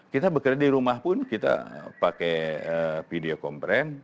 kita bekerja di rumah pun kita pakai video komprent